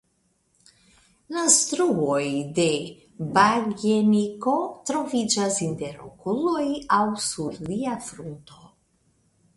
Naztruoj de bagjenniko troviĝas inter okuloj aŭ sur lia frunto.